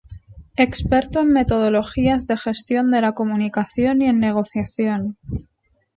Experto en metodologías de gestión de la comunicación y en negociación.